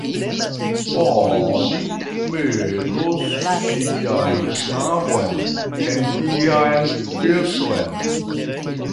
Oni metos ŝian knabon en tian keston.